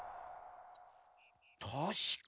たしか。